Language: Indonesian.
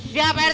siap pak rt